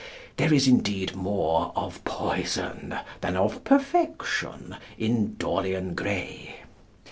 There is indeed more of "poison" than of "perfection" in "Dorian Gray."